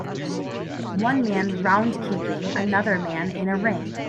One man round kicking another man in a ring.